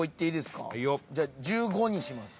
じゃあ１５にします。